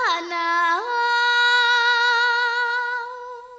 หน้านี้หน้าน้าว